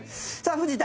藤田：